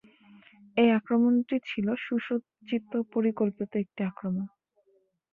এই আক্রমণটি ছিল সুসজ্জিত পরিকল্পিত একটি আক্রমণ।